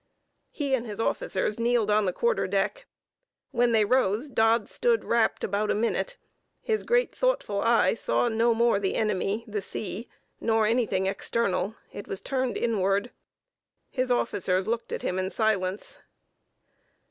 He and his officers kneeled on the quarter deck. When they rose, Dodd stood rapt about a minute; his great thoughtful eye saw no more the enemy, the sea, nor anything external; it was turned inward. His officers looked at him in silence.